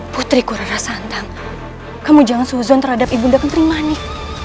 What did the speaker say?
putriku rara santang kamu jangan suzon terhadap ibunda ketrimanik